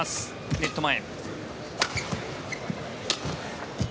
ネット前。